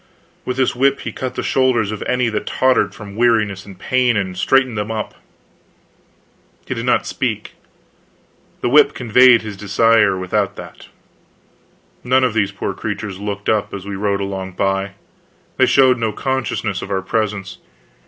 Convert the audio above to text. With this whip he cut the shoulders of any that tottered from weariness and pain, and straightened them up. He did not speak; the whip conveyed his desire without that. None of these poor creatures looked up as we rode along by; they showed no consciousness of our presence.